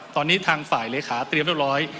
ตอนนี้ทางฝ่ายเลขาเตรียมเรียบร้อย